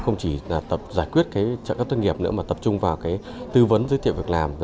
không chỉ giải quyết trợ cấp thất nghiệp nữa mà tập trung vào tư vấn giới thiệu việc làm